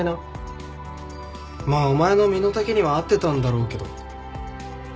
まあお前の身の丈には合ってたんだろうけど。